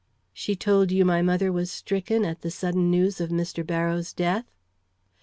"She told you my mother was stricken at the sudden news of Mr. Barrows' death?"